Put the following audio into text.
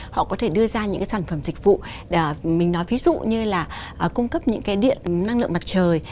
họ có thể đưa ra những cái sản phẩm dịch vụ mình nói ví dụ như là cung cấp những cái điện năng lượng mặt trời